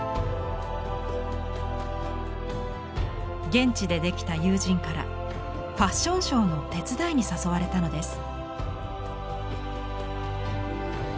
現地でできた友人からファッションショーの手伝いに誘われたのです。